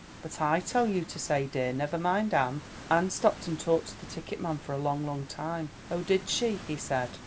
"But I tell you to say, dear—never mind Anne!" "Anne stopped and talked to the ticket man for a long, long time." "Oh, did she?" he said.